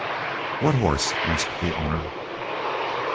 "'What horse?' asked the owner.